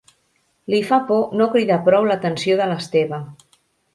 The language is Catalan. Li fa por no cridar prou l'atenció de l'Esteve.